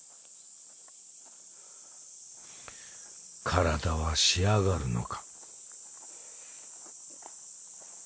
体は仕上がるのか？